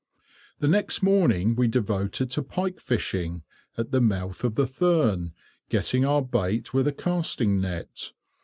The next morning we devoted to pike fishing, at the mouth of the Thurne, getting our bait with a casting net.